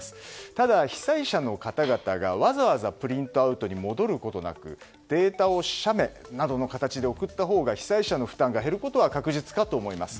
ただ被災者の方々がわざわざプリントアウトに戻ることなくデータを写メなどの形で送ったほうが被災者の負担が減るのは確実かと思います。